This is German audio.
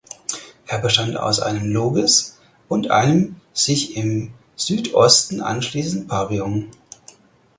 Er bestand aus einem Logis und einem sich im Südosten anschließenden Pavillon.